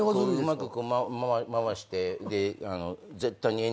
うまく回して。